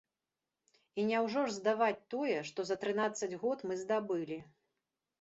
І няўжо ж здаваць тое, што за трынаццаць год мы здабылі.